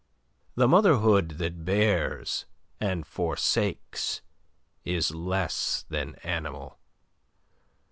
The motherhood that bears and forsakes is less than animal.